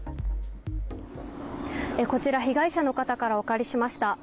こちら被害者の方からお借りしました。